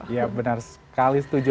ya benar sekali setuju